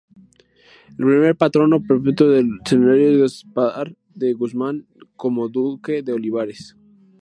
El primer patrono perpetuo del seminario es Gaspar de Guzmán, conde-duque de Olivares.